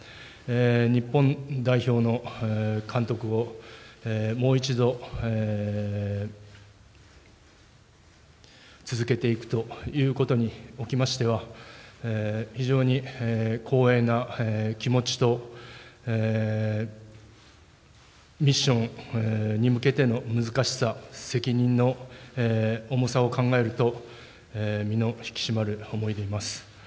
日本代表の監督をもう一度続けていくということにおきましては、非常に光栄な気持ちと、ミッションに向けての難しさ、責任の重さを考えると、身の引き締まる思いでいます。